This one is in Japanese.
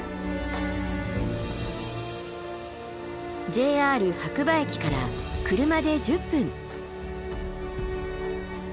ＪＲ白馬駅から車で１０分。